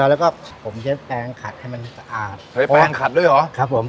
แล้วก็ผมเช็ดแปลงขัดให้มันสะอาดเฮ้ยแปลงขัดด้วยเหรอครับผม